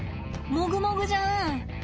もぐもぐじゃん。